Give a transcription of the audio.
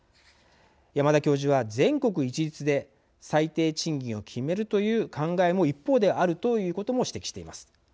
山田教授は全国一律で最低賃金を決めるという考えも一方であるということも指摘しています。